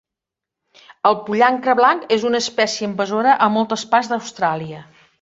El pollancre blanc és una espècie invasora a moltes parts d'Austràlia.